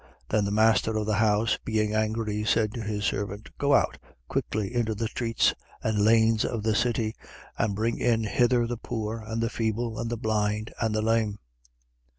Then the master of the house, being angry, said to his servant: Go out quickly into the streets and lanes of the city; and bring in hither the poor and the feeble and the blind and the lame.